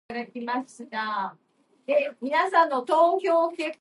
The ride begins by exiting the station and immediately ascending the chain lift hill.